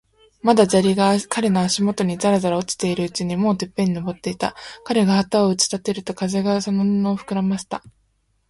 まだ砂利が彼の足もとにざらざら落ちているうちに、もうてっぺんに登っていた。彼が旗を打ち立てると、風がその布をふくらませた。